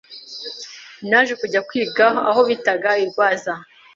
Naje kujya kwiga aho bitaga i Rwaza